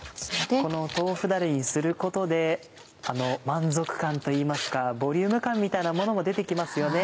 この豆腐だれにすることで満足感といいますかボリューム感みたいなものも出て来ますよね。